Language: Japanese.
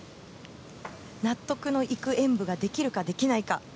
納得のいく演武ができるかできないか